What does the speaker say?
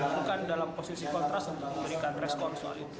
bukan dalam posisi kontras untuk memberikan respon